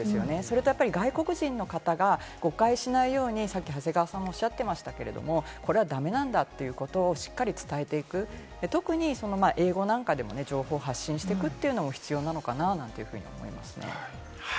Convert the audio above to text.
それと外国人の方が誤解しないように、長谷川さんもおっしゃってましたけれど、これは駄目なんだということをしっかり伝えていく、特に英語なんかでも情報発信していくというのも必要なのかなって思います。